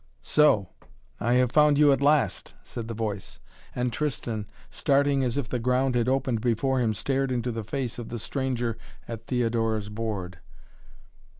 "So I have found you at last," said the voice, and Tristan, starting as if the ground had opened before him, stared into the face of the stranger at Theodora's board.